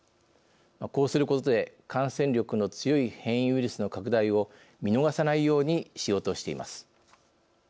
こうすることで感染力の強い変異ウイルスの拡大を見逃さないようにしようとしています。